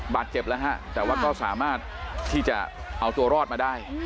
บาดเจ็บแล้วฮะแต่ว่าก็สามารถที่จะเอาตัวรอดมาได้